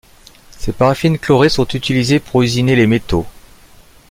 Ces paraffines chlorées sont utilisées pour usiner les métaux.